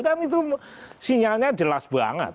dan itu sinyalnya jelas banget